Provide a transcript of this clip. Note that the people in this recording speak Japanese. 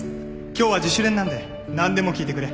今日は自主練なんで何でも聞いてくれ。